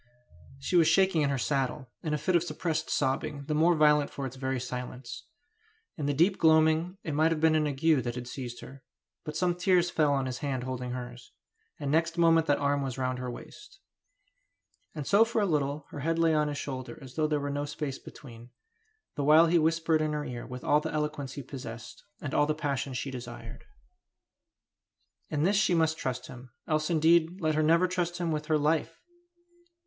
She was shaking in her saddle, in a fit of suppressed sobbing the more violent for its very silence. In the deep gloaming it might have been an ague that had seized her; but some tears fell upon his hand holding hers; and next moment that arm was round her waist. Luckily the horses were tired out. And so for a little her head lay on his shoulder as though there were no space between, the while he whispered in her ear with all the eloquence he possessed, and all the passion she desired. In this she must trust him, else indeed let her never trust him with her life!